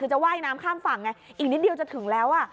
คือจะว่ายน้ำข้ามฝั่งไงอีกนิดเดียวจะถึงแล้วอ่ะ